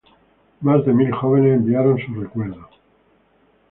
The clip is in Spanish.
Más de mil jóvenes enviaron sus recuerdos.